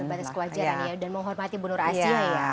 atas kewajaran ya dan menghormati bunur asia ya